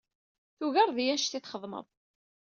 Tugareḍ-iyi anect ay txedmeḍ.